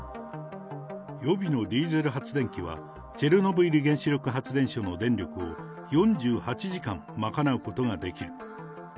予備のディーゼル発電機は、チェルノブイリ原子力発電所の電力を４８時間、賄うことができる。